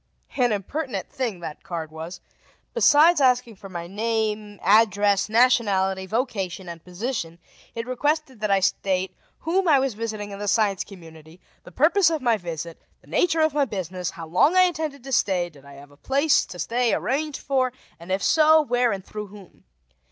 An impertinent thing, that card was. Besides asking for my name, address, nationality, vocation, and position, it requested that I state whom I was visiting in the Science Community, the purpose of my visit, the nature of my business, how long I intended to stay, did I have a place to stay arranged for, and if so, where and through whom.